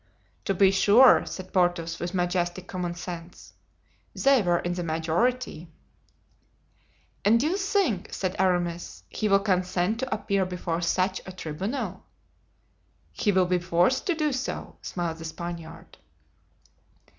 "To be sure," said Porthos, with majestic common sense; "they were in the majority." "And you think," said Aramis, "he will consent to appear before such a tribunal?" "He will be forced to do so," smiled the Spaniard.